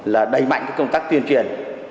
là đẩy mạnh công tác tuyên truyền